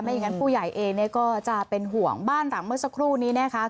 อย่างนั้นผู้ใหญ่เองก็จะเป็นห่วงบ้านหลังเมื่อสักครู่นี้นะคะ